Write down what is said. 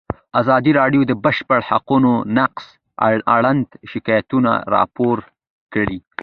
ازادي راډیو د د بشري حقونو نقض اړوند شکایتونه راپور کړي.